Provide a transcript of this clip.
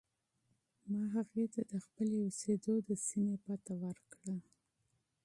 ما هغې ته د خپلې اوسېدو د سیمې پته ورکړه.